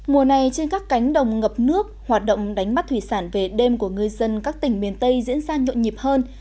mùa này trên các cánh đồng ngập nước hoạt động đánh bắt thủy sản về đêm của người dân các tỉnh miền tây diễn ra nhộn nhịp hơn